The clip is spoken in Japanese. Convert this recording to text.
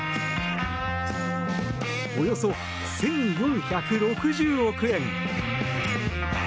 およそ１４６０億円。